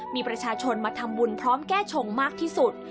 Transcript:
มีประชาชนมาทำบุญพร้อมแก้ชงมากที่สุด